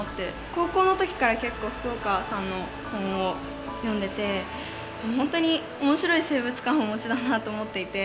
高校の時から結構福岡さんの本を読んでて本当に面白い生物観をお持ちだなと思っていて。